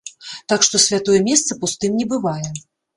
Так што святое месца пустым не бывае.